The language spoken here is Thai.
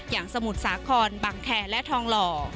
อย่างสมุทรสาครบังแคและทองหล่อ